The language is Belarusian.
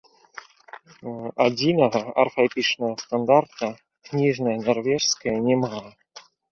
Адзінага арфаэпічнага стандарта кніжная нарвежская не мае.